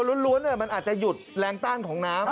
คือถ้าตัวล้วนมันอาจจะหยุดแรงตั้งของน้ำ